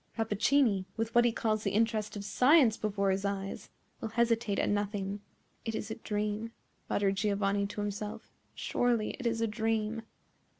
Rappaccini, with what he calls the interest of science before his eyes, will hesitate at nothing." "It is a dream," muttered Giovanni to himself; "surely it is a dream."